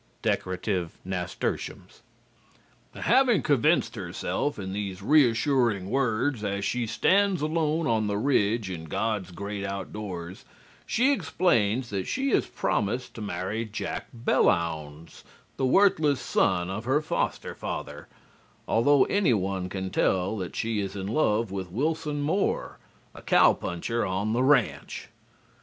(Decorative nasturtiums.) Having convinced herself in these reassuring words as she stands alone on the ridge in God's great outdoors, she explains that she has promised to marry Jack Belllounds, the worthless son of her foster father, although any one can tell that she is in love with Wilson Moore, a cow puncher on the ranch.